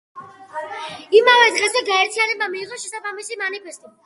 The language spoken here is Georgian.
იმავე დღესვე, გაერთიანებამ მიიღო შესაბამისი მანიფესტი.